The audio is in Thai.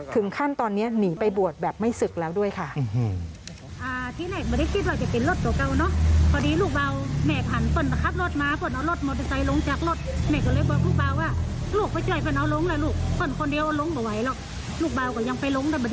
ถึงขั้นตอนนี้หนีไปบวชแบบไม่ศึกแล้วด้วยค่ะ